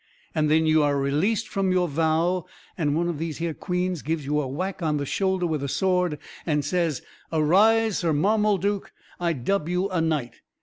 And then you are released from your vow and one of these here queens gives you a whack over the shoulder with a sword and says: "Arise, Sir Marmeluke, I dub you a night."